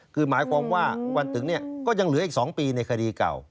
คือหมายความว่าวันถึงเนี่ยก็ยังเหลืออีก๒ปีในคดีเก่า